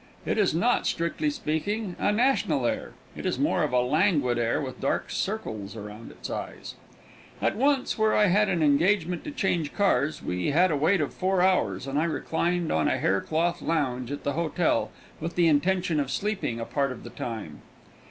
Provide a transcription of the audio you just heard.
It is not, strictly speaking, a national air. It is more of a languid air, with dark circles around its eyes. At one place where I had an engagement to change cars, we had a wait of four hours, and I reclined on a hair cloth lounge at the hotel, with the intention of sleeping a part of the time.